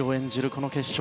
この決勝。